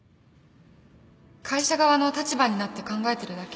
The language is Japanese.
会社側の立場になって考えてるだけ